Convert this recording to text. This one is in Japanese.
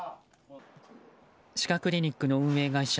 歯科クリニックの運営会社